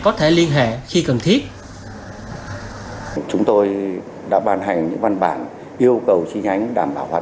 có thể liên hệ khi cần thiết chúng tôi đã bàn hành những văn bản yêu cầu chi nhánh đảm bảo hoạt